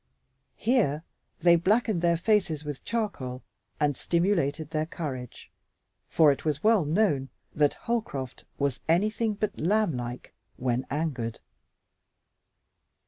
Here they blackened their faces with charcoal and stimulated their courage, for it was well known that Holcroft was anything but lamblike when angered.